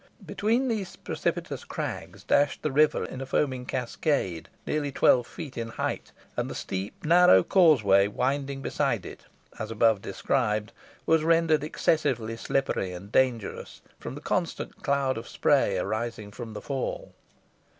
Between these precipitous crags dashed the river in a foaming cascade, nearly twelve feet in height, and the steep narrow causeway winding beside it, as above described, was rendered excessively slippery and dangerous from the constant cloud of spray arising from the fall.